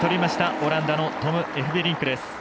オランダのトム・エフベリンク。